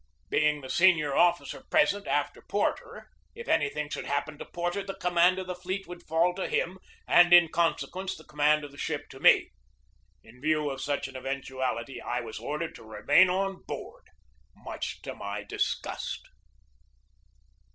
Being the senior officer present after Porter, if any THE BATTLE OF FORT FISHER 135 thing should happen to Porter the command of the fleet would fall to him and, in consequence, the com mand of the ship to me. In view of such an event uality I was ordered to remain on board, much to my disgust.